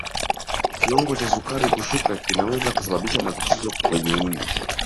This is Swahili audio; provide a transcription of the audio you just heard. kiwango cha sukari kushuka kinaweza kusababisha matatizo kwenye ini